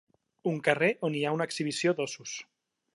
Un carrer on hi ha una exhibició d'óssos.